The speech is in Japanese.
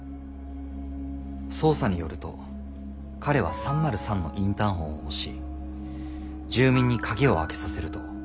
捜査によると彼は３０３のインターホンを押し住民に鍵を開けさせると。